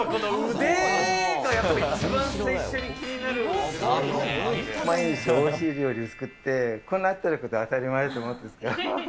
腕がやっぱり、毎日おいしい料理を作って、こうなってること、当たり前と思ってる。